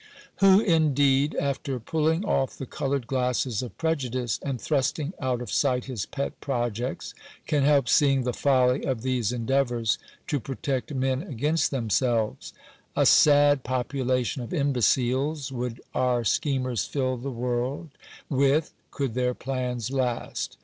Who, indeed, after pulling off the coloured glasses of preju dice, and thrusting out of sight his pet projects, can help seeing the folly of these endeavours to protect men against themselves ? A sad population of imbeciles would our schemers fill the world with, could their plans last.